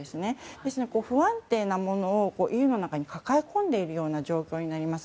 ですので、不安定なものをＥＵの中に抱え込んでいるものになります。